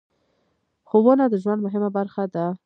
ښوونه د ژوند مهمه برخه ده.